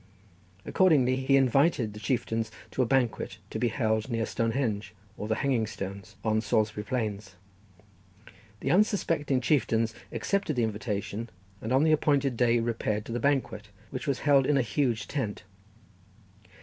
Accordingly he invited the chieftains to a banquet, to be held near Stonehenge, or the Hanging Stones, on Salisbury Plain. The unsuspecting chieftains accepted the invitation, and on the appointed day repaired to the banquet, which was held in a huge tent.